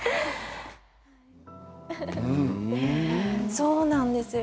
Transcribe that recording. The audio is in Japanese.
そうなんですよ。